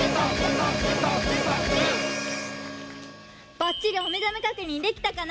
ばっちりおめざめ確認できたかな？